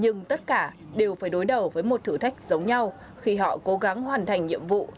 nhưng tất cả đều phải đối đầu với một thử thách giống nhau khi họ cố gắng hoàn thành nhiệm vụ